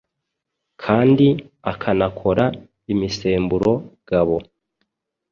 kandi akanakora imisemburo gabo